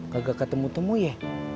kagak ketemu temui ya